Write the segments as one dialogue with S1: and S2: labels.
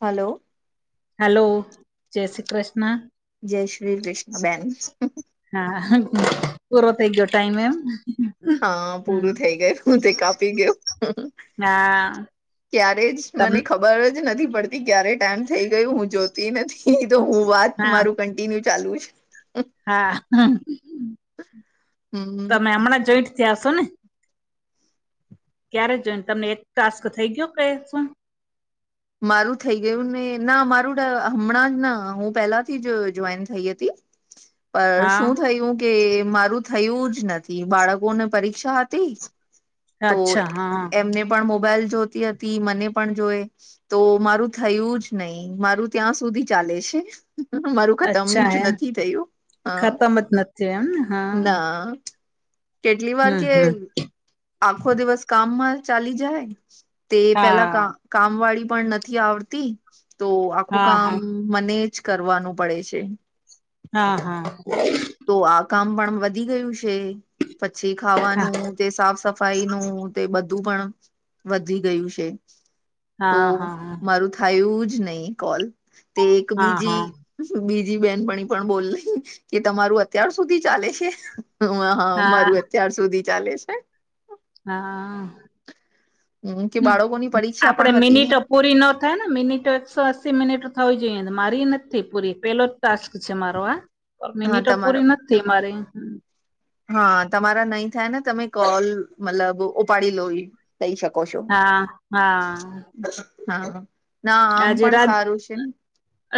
S1: Hello.
S2: Hello જય શ્રી કૃષ્ણ.
S1: જય શ્રી કૃષ્ણ બેન.
S2: હા પૂરો થઈ ગયો ટાઈમ એમ.
S1: હ
S2: હમ
S1: પૂરું થઈ ગયું હું તે કાપી ગ્યો.
S2: ના.
S1: ત્યારે જ મને ખ બર જ નથી પડતી ક્યારે ટાઈમ થઈ ગઈ હું જોતી નથી તો હું વાત
S2: હા
S1: મારું. કન્ટિન્યુ ચાલુ છે.
S2: હા
S1: હમ
S2: તમે હમણાં જોઇન્ટ થયા હશો ને. ક્યારે જોઈન તમને એક ટાસ્ક થઈ ગયો, [unintelligible] માં
S1: મારું થઈ ગયું ને, ના મારું હમણાં જ ના હું પેલાથી જ જોઈન થઈ હતી. પર
S2: હા
S1: શું થયું? કે મારું થયું જ નથી, બાળકો ને પરીક્ષા હતી. તો
S2: અચ્છા હા
S1: એમને પણ મોબાઈલ જોતી હતી, મને પણ જોએ. તો મારું થયું જ નહી, મારું ત્યાં સુધી ચાલે છે. મારું ખતમ
S2: અચ્છા
S1: જ
S2: એમ
S1: નથી થયું. હા
S2: ખતમ જ નથી એમને હા
S1: ના. કેટલીવાર
S2: હમ
S1: કે
S2: હમ
S1: આખો દિવસ કામમાં ચાલી જાય. તે પેલા
S2: હા
S1: કા કામ વાળી પણ નથી આવતી, તો આખું
S2: હા
S1: કામ
S2: હા
S1: મને જ કરવાનું પડે છે.
S2: હા હા.
S1: તો આ કામ પણ વધી ગયું છે. પછી
S2: હા
S1: ખાવાનું તે સાફ સફાઈ નું તે બધ તું પણ વધી ગયું છે, તો
S2: હા હા
S1: મારું થયું જ નહી કોલ તે
S2: હા
S1: એકબીજી
S2: હા
S1: બીજી બેનપણી પણ બોલે કે તમારું અત્યાર સુધી ચાલે છે? હ હા, મારું અત્યાર સુધી ચાલે છે.
S2: હા,
S1: હમ કે બાળકોની પરીક્ષા
S2: આપડે
S1: પણ હતી ને
S2: મિનિટો પૂરી ન થાય ને મિનિટો એકસો અસી મિનિટ થવી જોઈએ મારી નથી પૂરી પેલો ટાસ્ક છે, મારો આ પ
S1: હા
S2: મેનીટો
S1: તમારો
S2: પૂરી નથ થઈ મારે.
S1: હા, તમારા નહી ને, તમે કોલ મતલબ ઉપાડી લો કઈ શકો છો,
S2: હા હા
S1: હા. ના આમ
S2: આજે
S1: પણ
S2: રા
S1: સારું છે ને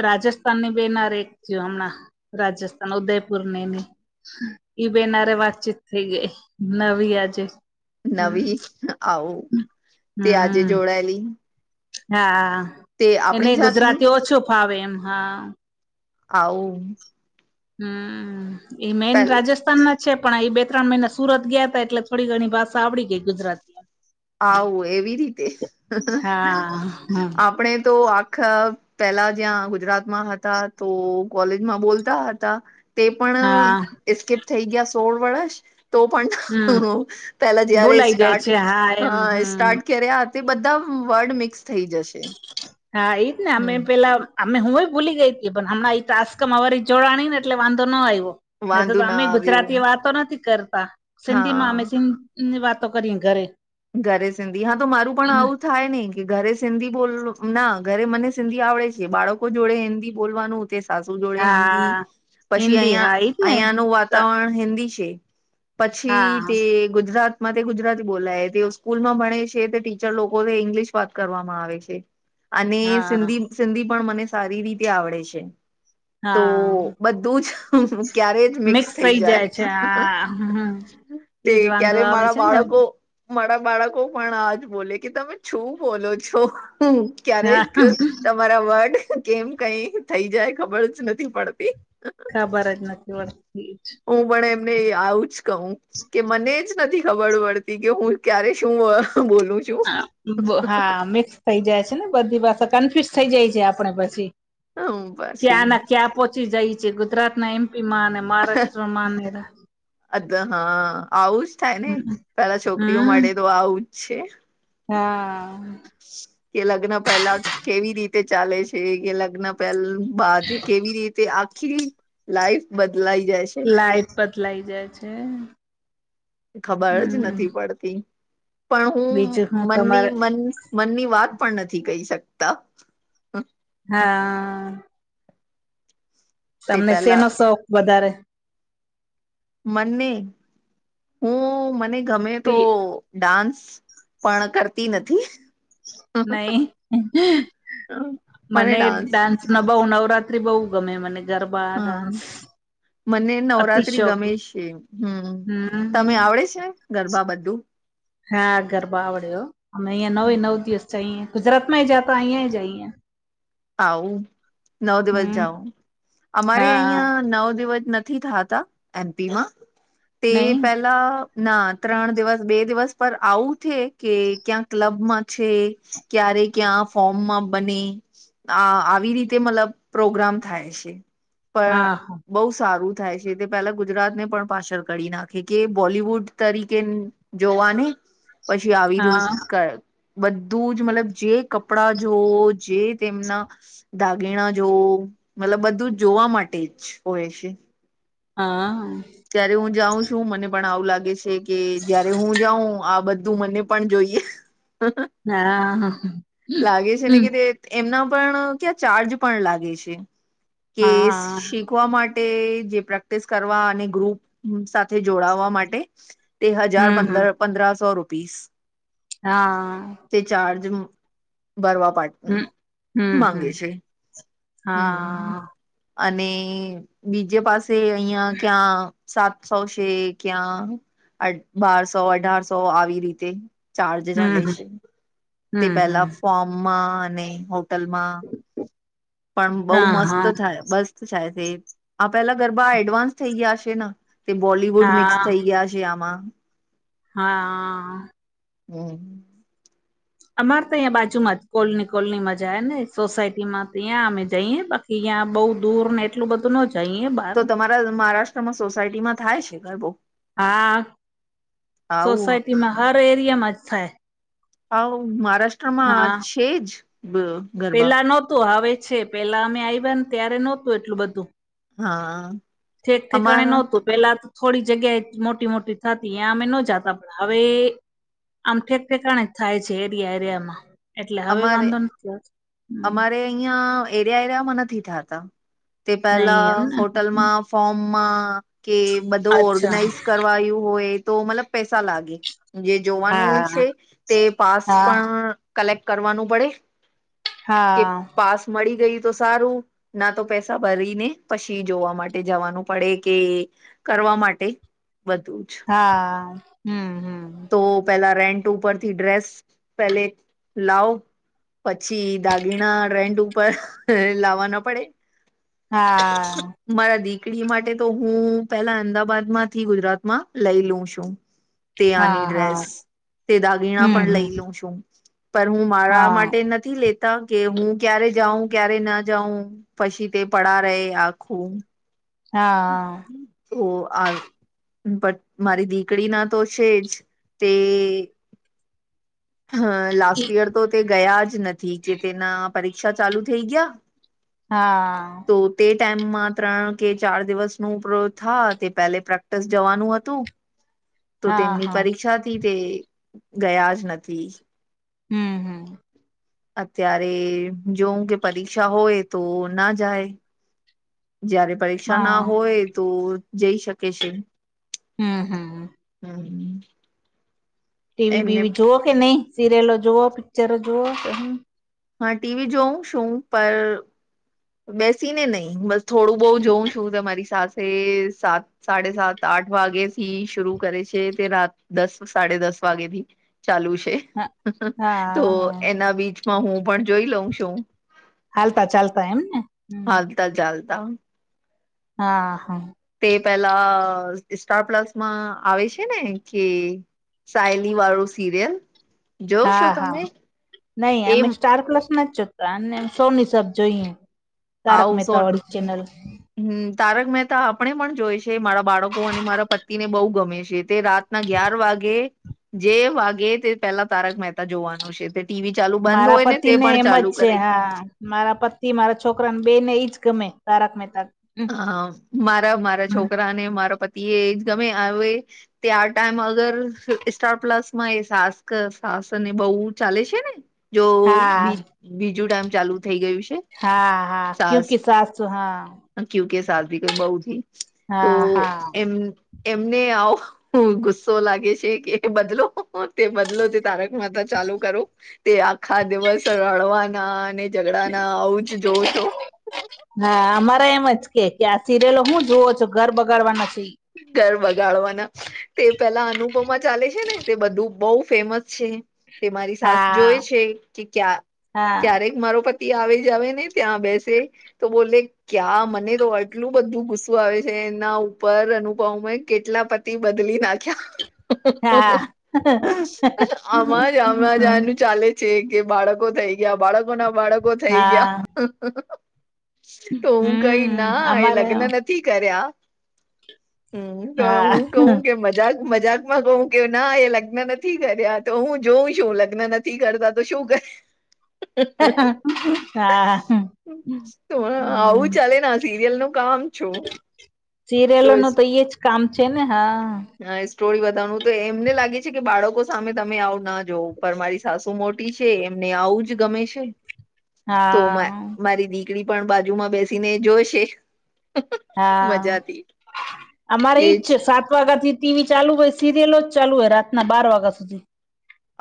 S2: રાજેસ્થાન ની બેનાર એક થયું હમણાં રાજેસ્થાન ઉદયપુર ની ઈ બેન હારે વાતચીત થઈ ગઈ, નવી આજે. હમ
S1: નવી આવું તે આજે
S2: હમ
S1: જોડાયેલી
S2: હા,
S1: તે
S2: એને
S1: આપણી જાતની
S2: ગુજરાતી ઓછું ફાવે એમ, હા.
S1: આઉ
S2: હમ્મ એ મેૈન
S1: પેલ
S2: રાજસ્થાન ના છે પણ, એ બે ત્રણ મહિના સુરત ગ્યા હતા, એટલે થોડી ઘણી ભાશાં આવડી ગઈ ગુજરાતી
S1: આઉ એવી
S2: હા હમ
S1: આપડે તો આખ પેલા જ્યાં ગુજરાતમાં હતા, તો કોલેજમાં બોલતા હતા. તે પણ
S2: હા
S1: સ્કીપ થઈ ગ્યા, સોળ વરશ તો પણ
S2: હમ
S1: પેલા જયારે
S2: બોલાઈ જાય
S1: સ્ટાર્ટ
S2: છે હા એમ હમ
S1: ત્યારે આયા તે બધા વર્ડ મિક્સ થઈ જશે.
S2: હા, એઈજ ને, અમે
S1: હમ
S2: પેલા. અમે હું ભૂલી ગઈ પણ હમણાં એ તાસ્ક અમારી જોડાણી ને, એટલે વાંધો ન આયવો. ન તો,
S1: વાંધો
S2: તો
S1: ના
S2: અમે
S1: આવ્યું
S2: ગુજરાતી વાતો નથી કરતા, સિંધી માં અમે
S1: હા
S2: સીન ને વાતો કરીન ઘરે.
S1: ઘરે સિંધી હા, તો મારું પણ આવું. થાય નહી કે, ઘરે સિંધી બોલ ના ઘરે મને સિંધી આવડે છે, બાળકો જોડે હિન્દી બોલવાનું. સાસુ જોડે હિન્દી
S2: હા
S1: પછી
S2: હિન્દી
S1: અહીં,
S2: હા એજ ને
S1: અહીંયા ન વાત વાતાવરણ હિન્દી છે, પછી
S2: હા
S1: તે ગુજરાતમાં તે ગુજરાતી બોલાય. તે સ્કૂલમાં ભણે છે, તે ટીચર લોકો ઇંગ્લિશ વાત કરવામાં આવે છે, અને
S2: હા
S1: સિંધી સિંધી પણ મને સારી રીતે આવડે છે. તો
S2: હા.
S1: બધું જ. ક્યારે જ મિક્સ થઈ જાય. તે
S2: એજ વાંધો
S1: ક્યારે
S2: આવે
S1: મારા
S2: છે ને
S1: બાળકો મારા બાળકો પણ આજ બોલે કે તમે છું બોલો છો.
S2: હા
S1: ક્યારેક તમારા વર્ડ કેમ કંઈ થઈ જાય ખબર જ નથી પડતી.
S2: [unintelligible]
S1: હું પણ એમને એ આવું જ કવ. કે મને જ નથી ખબર પડતી કે હું ક્યારે શું બોલું છ.
S2: હા. મિક્સ થઈ જાય છે ને બધી ભાષા, કન્ફ્યુઝ થઇ જાય છીએ આપણે પછી.
S1: હમ
S2: ક્યાં ના
S1: પછી
S2: ક્યાં પહોંચી જાય છે. ગુજરાત ના એમ પી માને મહારાષ્ટ્ર માને [unintelligible]
S1: [unintelligible] હા આવું જ થાય ને. પહેલા છોકરીઓ
S2: હમ
S1: માટે તો આવુંજ છે.
S2: હા.
S1: કે લગ્ન પહેલા કેવી રીતે ચાલે છે, કે લગ્ન પહેલ બાદ કેવી રીતે આખી લાઈફ બદલાઈ જાય છ
S2: લાઈફ બદલાઈ જાય છે.
S1: ખબર જ
S2: હમ
S1: નથી પડતી. પણ
S2: બીજું
S1: હું મનની
S2: તમારે
S1: મન મનની વાત પણ નથી કહી શકતા.
S2: હા.
S1: તે
S2: તમને
S1: પહેલા
S2: શેનો શોખ વધારે?
S1: મને હું મને ગમે તો ડાન્સ. પણ કરતી નથી.
S2: નહીં. મનેઈ ડાન્સ સ નો બહુ નવરાત્રી બહુ ગમે મને ગરબા,
S1: હા
S2: ડાન્સ.
S1: મને
S2: અતિ
S1: નવરાત્રી
S2: શોખ
S1: ગમે છે. હમ્મ. તમે
S2: હમ
S1: આવડે છે ગરબા બધું?
S2: હા ગરબા આવડે હો. અમે અહિયાં નવે નવ દિવસ જઈએ. ગુજરાત માંઈ જાતા, અહીયાંઈ જઈએ.
S1: આવું. નવ દિવસ
S2: હમ
S1: જાવ. અમારે
S2: હા હા
S1: અહિયાં નવ દિવસ નથી થાત તા એમ પી માં. તે
S2: નહી
S1: પહેલા ના ત્રણ દિવસ, બે દિવસ પણ આવું થે ક્યાંક ક્લબમાં છે ક્યારે ક્યાં ફોર્મમાં બને આ આવી રીતે મતલબ પ્રોગ્રામ થાય છે. પણ
S2: હા હા
S1: બહુ સારું થાય છે. તે પહેલા ગુજરાત ને પણ પાછળ કરી નાખે. કે બોલિવૂડ તરીકેન જોવાને પછી આવી રીત કા બધું જ મતલબ જે કપડાં જોઓ જે તેમના દાગીણા જોવો, મતલબ બધું જ જોવા માટે જ હોય છે.
S2: હા.
S1: ત્યારે હું જાઉં છું, મને પણ આવું લાગે છે, કે જયારે હું જાઉં આ બધું મને પણ જોઈએ.
S2: હા
S1: લાગે છે ને
S2: હમ
S1: કે તે એમના પણ ત્યાં ચાર્જ પણ લાગે છે. કે
S2: હા
S1: શીખ શીખવા માટે, જે પ્રેક્ટિસ કરવા અને ગ્રુપ સાથે જોડાવા માટે તે હજાર
S2: હમ હમ
S1: પંદર પંદ્રાસો રૂપીસ.
S2: હા.
S1: તે ચાર્જ ભરવા પાડ હમ્મ.
S2: હમ હમ હમ
S1: માંગે છે. હમ્મ.
S2: હા
S1: અને બીજે પાસે અહિયાં ક્યાં સાતસો છે, ક્યાં બારસો અઢારસો આવી રીતે. ચાર્જ
S2: હમ
S1: ચાલે
S2: હમ
S1: છે, તે
S2: હમ હમ
S1: પેલા ફોર્મમાં અને હોટલમાં પણ બહુ
S2: હા
S1: મસ્ત
S2: હા
S1: થાય, મસ્ત થાય, તે આ પેલા ગરબા એડવાન્સ થઈ ગ્યા છે ના. તે બોલીવુડ મિક્સ
S2: હા
S1: થઈ ગ્યા છે, આમાં.
S2: હા.
S1: હમ્મ.
S2: અમારે તો અહીંયા બાજુમાં જ કોલની કોલ ની મજા ને, સોસાયટી માં તો હીંયા અમે જઈએ બા અિયાં બઉ દૂર ને, એટલું બધું ન જાય ઇયબા.
S1: તો તમારા મહારાષ્ટ્રમાં સોસાયટીમાં થાય છે, ગરબો.
S2: હા. સોસાયટી માં હર એરિયામાં જ થાય.
S1: આઉં મહારાષ્ટ્રમાં
S2: હા
S1: છે જ. ગરબા
S2: પેલા નતું હવે છે, પેલા અમે આવ્યા ને, ત્યારે નતું એટલું બધું.
S1: હા.
S2: ઠેક ઠેકાણે
S1: અમારા
S2: નતું. પેલા થોડી જગ્યાએ મોટી-મોટી થતી, ઇઆ અમે ન જાતા પણ હવે. આમ ઠેક ઠેકાણે જ થાય છે, એરિયા એરિયામાં એટલે હવે વાંધો નથી આવતો.
S1: ઇયા એરિયા એરિયામાં નથી થાતા, તે
S2: નહી
S1: પેલા
S2: એમને
S1: હોટલમાં ફોર્મમાં કે, બધો
S2: અચ્છા
S1: ઓર્ગનાઈઝ કર વાયુ હોય તો, મતલબ પૈસા લાગે જે. જોવાનું
S2: હા
S1: છે, તે પાસ
S2: હા
S1: પણ કલેક્ટ કરવાનું પડે. કે
S2: હા
S1: પાસ મળી ગયુ તો સારું. ના તો પેસા ભરી ને, જોવા માટે જવાનું પડે કે. કરવા માટે બધું જ.
S2: હા, હમ્મ, હમ્મ.
S1: તો પેલા રેન્ટ ઉપરથી ડ્રેસ પેલે લાવ. પછી દાગીના રેન્ટ ઉપર લાવા ના પડે.
S2: હા
S1: મારા દીકરી માટે તો, હું પેલા અમદાવાદ માંથી ગુજરાતમાં લઈ લઉ છું. [inaudible] તે આની
S2: હા હા
S1: ડ્રેસ તે દાગીણા
S2: હમ
S1: પણ લઈ
S2: હમ
S1: લઉ છું, પણ હું મારા
S2: હા
S1: માટે નથ તી લેતા કે, હું ક્યારે જાઉં ક્યારે ના જાઉં પછી તે. પડા રે આખું.
S2: હા.
S1: હો આ પણ મારી દીકરી ના તો છે, જ તે હ, લાસ્ટ યર તો તે ગયા જ નથી કે, તેના પરીક્ષા ચાલુ થઈ ગ્યા.
S2: હા.
S1: તો તે ટાઈમમાં ત્રણ કે, ચાર દિવસ નું પ્રો થા તે પહેલે પ્રેક્ટિસ જવાનું હતું. તો
S2: હા
S1: તેમની
S2: હા
S1: પરીક્ષાથી તે ગયા જ નથી.
S2: હમ્મ, હમ્મ.
S1: અત્યારે જોઉં કે, પરીક્ષા હોય તો ના જાય. જ્યારે પરીક્ષા ના
S2: હા
S1: હોય તો જઈ શકે છે.
S2: હમ્મ, હ.
S1: હમ્મ.
S2: ટીવી બીવી જુઓ કે નઈ, સિરિયલો જુઓ? પિક્ચરો જુઓ કે
S1: હા, ટીવી જોઉં છું પર. બેસી ને નહી, બસ થોડું બહુ જોઉં શું તમારી સાથે સાત? સાડે સાત-આઠ વાગે થી શરુ કરે છે, તે રાત દસ સાડે દસ વાગે થી ચાલુ છે
S2: હા
S1: તો,
S2: હા હા
S1: એના બીચમાં હું પણ જોઈ લઉં છું.
S2: હાલતા-ચાલતા એમ ને. હમ
S1: હાલતા-ચાલતા.
S2: હા, હા.
S1: તે પેલા સ્ટાર પ્લસમાં આવે છે ને કે. સાયલી વાળું, સિરિયલ. જોવ
S2: હા,
S1: છો
S2: હા,
S1: તમે
S2: નઈ અમે
S1: એમ
S2: સ્ટાર પ્લસ માં. રાનને સોની સાબ જોઈએ, તારક
S1: હાઉસ
S2: મહેતા
S1: ઓન
S2: વાળી ચેનલ.
S1: હમ, તારક મહેતા આપણે પણ જોઈ છે, મારા બાળકો અને મારા પ તી ને બહુ ગમે છે, તે રાતના અગિયાર વાગે. જે વાગે તે પેહલા તારક મહેતા જોવાનું છે. ટીવી ચાલુ બંધ
S2: મારા
S1: હોય
S2: પતિ
S1: તે
S2: ને
S1: પણ
S2: એમ જ
S1: ચાલુ
S2: છે,
S1: કરે
S2: હા. મારા પતિ મારા છોકરાને બે ને ઈજ ગમે તારક મહેતા.
S1: હ, મારા મારા
S2: હમ
S1: છોકરા ને, મારા પતિ એ આજ ગમે આવે. ત્યાર ટાઈમ અગર સ સ્ટાર પ્લસમાં સાસક સાસ અને બહુ ચાલે છે ને. જો
S2: હા
S1: બી બીજું ટાઈમ ચાલુ થઈ ગયું છે.
S2: હા, હા, ક્યુકી સાસ હા.
S1: ક્યૂકે સસભી કભ બહુ થી તો
S2: હા હા
S1: એમ. એમને આવો ગુસ્સો લાગે છે કે, બદલો. તે બદલો તે તારક માતા ચાલુ કરું તે, આખા દિવસ રડવાના અને ઝઘડા ના આવું જ જો છો.
S2: હા, અમારા એમ જ કે, કે આ સિરિયલો હું જોવ છું, ઘર બગાડવાના છે.
S1: ઘર બગાડવાના. તે પેલા અનુપમા ચાલે છે ને, તે બધું બહુ ફેમસ છે. તે મારી સાસ
S2: હા
S1: જોય છે કે, ક્યા
S2: હા
S1: ક્યારેક મારો પ આવી જાવ ને, ત્યાં બેસે. તો બોલે ક્યાં મને તો આટલું બધું ગુસ્સું આવે છે, એના ઉપર. પમે કેટલા પતિ બદલી ના.
S2: હા
S1: આમાં અમાં આનું ચાલે. છે કે, બાળકો થઈ ગયા, બાળકો ના બાળકો થઈ ગયા.
S2: હા
S1: તો હું કઈ
S2: હમ્મ
S1: ના એ
S2: અમારે
S1: લગ્ન નથી કર્યા. તો
S2: હા
S1: હું કઉું કે. મજાક માં કહું કે, ના એ લગ્ન નથી કર્યા તો, હું જોઉં છું લગ્ન નથી કરતા તો શું કરે? [unintelligible]
S2: હા. [unintelligible]
S1: તો આવું
S2: હમ્મ
S1: ચાલે ને, સિરિયલ નું કામ છું.
S2: સિરિયલો નું તો એ જ કામ છે ને, હા.
S1: નાઅ સ્ટોરી બતાવું તે એમને લાગે છે કે, બાળકો સામે તમે આવું ના જોવ પરમારીશ. સાસુ મોટી છે, એમને આવું જ ગમે છે. તોમા
S2: હા
S1: મારી દીકરી પણ બાજુમાં
S2: હા,
S1: મજાથી
S2: અમારે
S1: કે
S2: ઈજ છે, સાત વાગ્યા થી ટી વી ચાલુ હોય સીરીયલોજ ચાલુ હોય રાતના બાર વાગ્યા સુધી.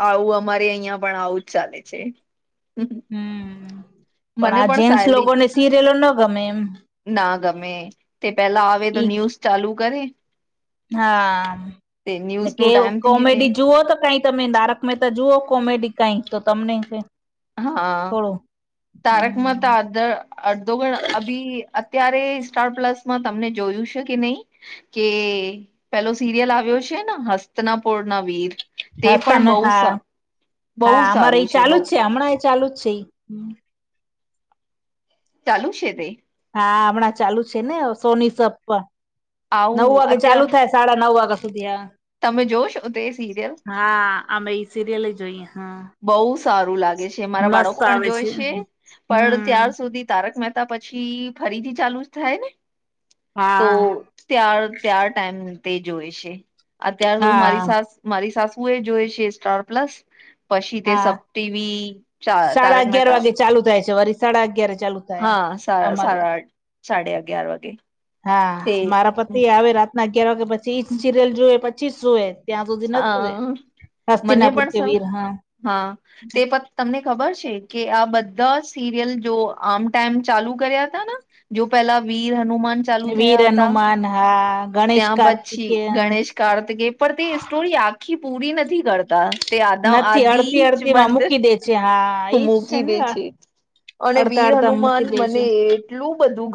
S1: આવું અમારે અહિયાં પણ આવું જ ચાલે છે.
S2: હમ્મ, પણ
S1: મને
S2: આ જેન્ટસ
S1: સાયલી
S2: લોકોને સિરેલો ના ગમે એમ.
S1: ના ગમે તે પેલા આવે તો
S2: ઈ
S1: ન્યૂઝ ચાલુ કરી.
S2: હા
S1: ટાઈમ થીએ તે
S2: કોમેડી જુઓ તો કંઈક તમે તારક મહેતા જુઓ કોમેડી કઈક તો તમને કંઈક
S1: હા તારકમેતા દર આધ અડધોગણ અભી ત્યારે સ્ટાર પ્લસમાં તમને જોયું છે કે નહીં? કે પેલો સિરિયલ આવ્યો છે ને હસ્તિનાપુર ના વીર. તે
S2: હસતા
S1: પણ
S2: ન
S1: બઉ
S2: હા
S1: સા બહુ
S2: હા અમારે એ
S1: સારું
S2: ચાલુ
S1: બહુ
S2: જ છે હમણાં એ ચાલુ જ છે એ.
S1: ચાલુ છે તે?
S2: હા હમણાં ચાલુ છે ને સોની સબ પર નવ
S1: આવું
S2: વાગે ચાલુ
S1: અત્યાર
S2: થાય. સાડા નવ વાગ્યા સુધી આવે.
S1: તમે જોવો છો તે સિરિયલ?
S2: હા અમે એ સિરિયલ જ જોઈએ હા.
S1: બહુ સારું લાગે છે મારા
S2: મસ્ત
S1: બાળકો પણ
S2: આવે
S1: જોએ છે પણ
S2: હમ
S1: ત્યાં સુધી તારક મ તા પછી ફરીથી ચાલુ થાય ને તો
S2: હા
S1: તાર ત્યાર ટાઈમ તે જોઈ છે અત્યાર મારી
S2: હા
S1: સાસ મારી સાસુ એ જોએ છે સ્ટાર પ્લસ. પછી તે
S2: હા
S1: સબ ટી વી તા
S2: સાડા
S1: તારક
S2: અગિયાર
S1: મહેતા
S2: વાગે ચાલુ થાય છે વરી સાડા અગિયારે ચાલુ થાય એમ
S1: હા સાર
S2: અમારે
S1: સાર સાડા અગિયાર વાગે.
S2: હા,
S1: તે
S2: મારા પતિ આવે રાતના અગિયાર વાગે પછી જ સિરિયલ જોએ પછી જ સુએ. ત્યાં સુધી
S1: અ
S2: નતું એ
S1: મને
S2: હસ્તિનાપુર
S1: પણ
S2: કે
S1: સર
S2: વીર હા.
S1: હા તે પ તમને ખબર છે કે આ બધા સિરિયલ જો આમ ટાઈમ ચાલુ કર્યા હતા ને. જો પહેલા વીર હનુમાન ચાલુ
S2: વીર
S1: થયા હતા
S2: હનુમાન હા ગણેશ
S1: ત્યાં પછી
S2: કાર્તિકેય.
S1: ગણેશ કાર્તિકેય પણ તે સ્ટોરી આખી પૂરી નથી કરતા તે આદા
S2: નથી અડધી
S1: આધિજ
S2: અડધી માં
S1: બંધ
S2: મૂકી દે છે હા એજ છે
S1: મૂકી
S2: ને
S1: દીધી. અને
S2: અડધા
S1: વીર
S2: અડધા
S1: હનુમાન
S2: મૂકી દે છે
S1: મને એટલું બધું